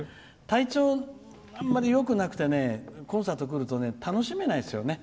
体調、あんまりよくなくてねコンサート来ると楽しめないですよね。